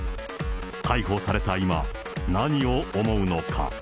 逮捕された今、何を思うのか。